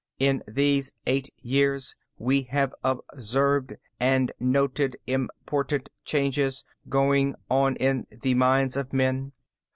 In these eight years, we have observed and noted important changes going on in the minds of men.